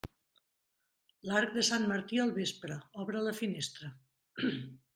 L'arc de Sant Martí al vespre, obre la finestra.